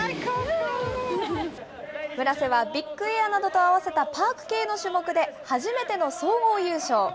村瀬はビッグエアなどと合わせたパーク系の種目で初めての総合優勝。